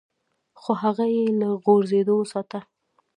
خو هغه يې له غورځېدو وساته.